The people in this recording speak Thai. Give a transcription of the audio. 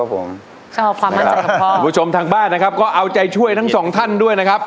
ผมก็ขอความมั่นใจกับพ่อคุณผู้ชมทางบ้านนะครับก็เอาใจช่วยทั้งสองท่านด้วยนะครับ